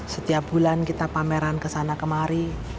setiap bulan kita pameran ke sana kemari